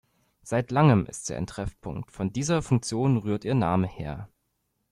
Seit langem ist sie ein Treffpunkt, von dieser Funktion rührt ihr Name her.